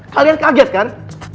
kalian kaget kan